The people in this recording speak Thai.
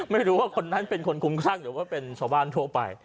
ไม่รู้ว่าคนนั้นเป็นคนคุ้มครั่งหรือว่าเป็นชาวบ้านทั่วไป